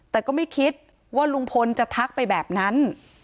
แต่ก็ไม่คิดว่าลุงพลจะทักไปแบบนั้น